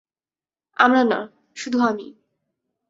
আমরা না, শুধু আমি।